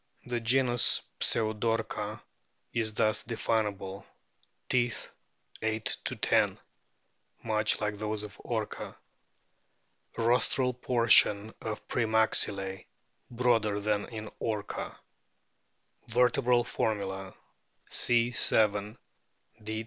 The genus PSEUDORCA is thus definable : Teeth, 8 10, much like those of Orca. Rostral portion of pre maxillse broader than in Orca. Vertebral formula : C. 7; D.